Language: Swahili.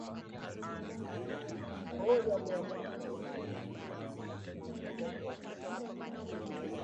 tisa Mwaka elfu moja mia tisa thelathini na tisa alimaliza masomo akapokea shahada ya